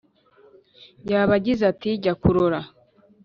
yaba agize ati: “jya kurora